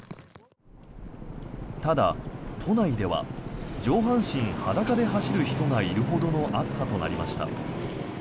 ただ、都内では上半身裸で走る人がいるほどの暑さとなりました。